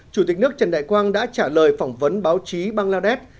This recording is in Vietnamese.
chủ tịch nước trần đại quang đã trả lời phỏng vấn báo chí bangladesh